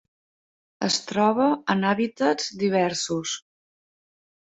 Es troba en hàbitats diversos.